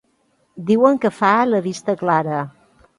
Diuen que fa la vista clara.